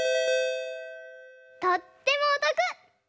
とってもおとく！